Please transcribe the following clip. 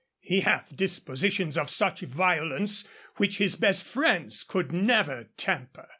He hath dispositions of such violence, which his best friends could never temper.